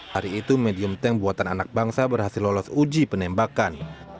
hari itu medium tank buatan anak bangsa berhasil lolos uji penembakan